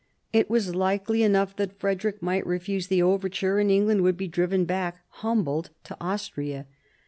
It was likely enough that Frederick might refuse the overture, and England would be driven back, humbled, to Austria.